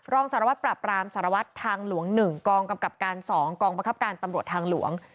รองสารวัตรปราบรามสารวัตรทางหลวง๑กองกำกับการ๒กองบังคับการตำรวจทางหลวง